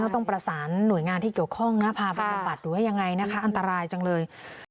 ต้องประสานหน่วยงานที่เกี่ยวข้องนะพาไปบำบัดดูให้ยังไงนะคะอันตรายจังเลย